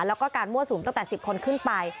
แล้วก็การมั่วสุมตั้งแต่๑๐คนขึ้นไป